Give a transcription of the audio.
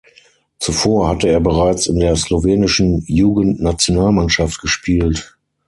Zuvor hatte er bereits in der slowenischen Jugendnationalmannschaft gespielt.